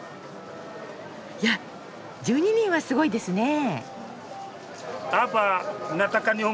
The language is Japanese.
いや１２人はすごいですねえ。